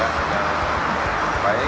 yang tidak baik